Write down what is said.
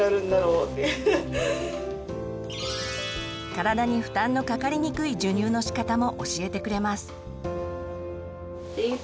体に負担のかかりにくい授乳のしかたも教えてくれます。